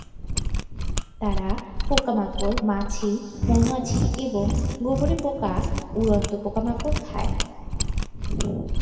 তারা পোকামাকড়, মাছি, মৌমাছি এবং গুবরে পোকা, উড়ন্ত পোকামাকড় খায়।